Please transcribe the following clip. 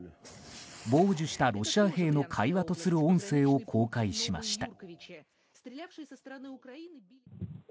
傍受したロシア兵の会話とする音声を公開しました。